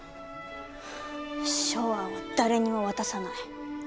ショウアンは誰にも渡さない！